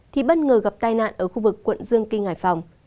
thì bất ngờ gặp tai nạn ở khu vực quận dương kinh hải phòng